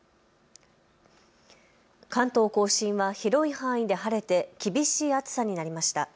関東甲信は広い範囲で晴れて厳しい暑さになりました。